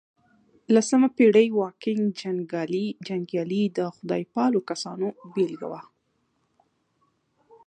لسمه پېړۍ واکینګ جنګيالي د خدای پالو کسانو بېلګه وه.